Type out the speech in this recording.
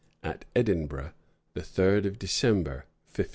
At Edinburgh, the third of December, 1557."